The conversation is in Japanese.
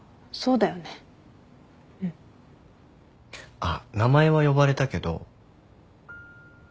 あっ名前は呼ばれたけど。